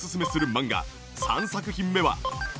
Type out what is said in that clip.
漫画３作品目は。